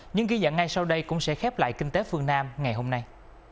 nhưng ghi dạng ngay sau đây cũng sẽ khép lại kinh tế phương nam ngày hôm nay